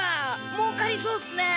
もうかりそうっすね！